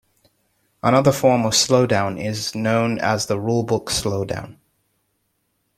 Another form of slowdown is known as the rule-book slowdown.